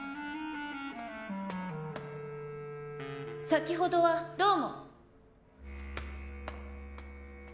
先ほどはどうも。